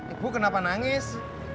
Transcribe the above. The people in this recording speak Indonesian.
ibu kenapa nangis